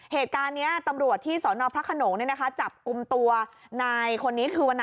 เหตุการณ์นี้ตำรวจที่สพระขนงจับอุมตัวนายคนนี้